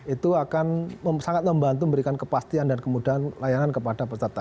itu akan sangat membantu memberikan kepastian dan kemudahan layanan kepada peserta